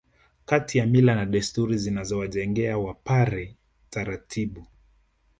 Kati ya mila na desturi zilizowajengea Wapare taratibu